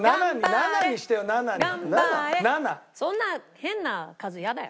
そんな変な数イヤだよ。